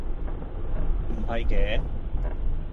係咁嘅